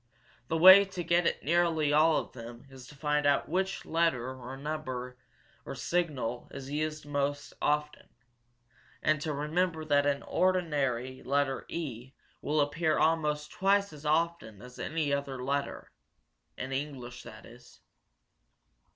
The way to get at nearly all of them is to find out which letter or number or symbol is used most often, and to remember that in an ordinary letter E will appear almost twice as often as any other letter in English, that is."